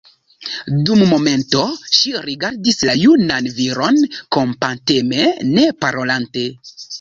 Dum momento ŝi rigardis la junan viron kompateme, ne parolante.